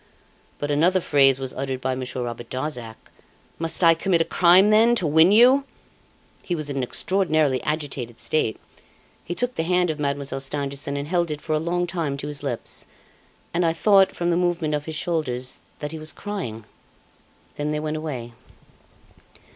But another phrase was uttered by Monsieur Robert Darzac: 'Must I commit a crime, then, to win you?' He was in an extraordinarily agitated state. He took the hand of Mademoiselle Stangerson and held it for a long time to his lips, and I thought, from the movement of his shoulders, that he was crying. Then they went away.